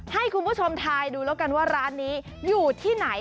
ให้คุณผู้ชมทายดูแล้วกันว่าร้านนี้อยู่ที่ไหน